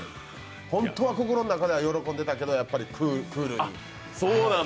本当は心の中では喜んでたけど、クールに。